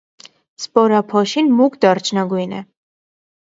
Սպորափոշին մուգ դարչնագույն է։